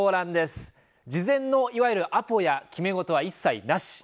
事前のいわゆるアポや決め事は一切なし。